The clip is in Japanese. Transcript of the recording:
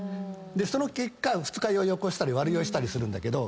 その結果二日酔いを起こしたり悪酔いしたりするんだけど。